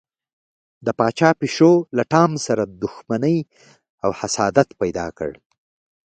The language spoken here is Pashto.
د پاچا پیشو له ټام سره دښمني او حسادت پیدا کړ.